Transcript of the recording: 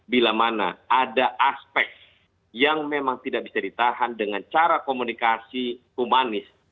bila mana ada aspek yang memang tidak bisa ditahan dengan cara komunikasi humanis